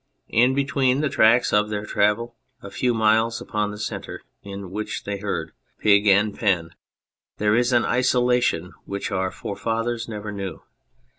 In between the tracks of their travel, a few miles upon the centres in which they herd, pig and pen, there is an isolation which our forefathers never knew.